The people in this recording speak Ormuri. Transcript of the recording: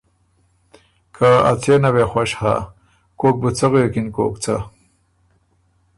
که ا څېنه وې خوش هۀ، کوک بُو څۀ غوېکِن کوک څۀ۔